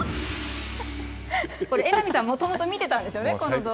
榎並さん、もともと見てたんですよね、この動画。